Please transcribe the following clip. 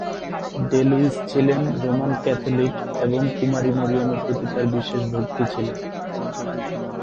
Day-Lewis ছিলেন Roman Catholic এবং কুমারী মরিয়মের প্রতি তার বিশেষ ভক্তি ছিল।